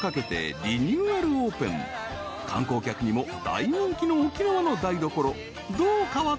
［観光客にも大人気の沖縄の台所どう変わった？］